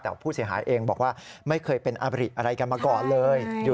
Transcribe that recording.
แต่ผู้เสียหายเองบอกว่าไม่เคยเป็นอบริอะไรกันมาก่อนเลย